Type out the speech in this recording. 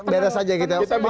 beres saja gitu ya pak simbal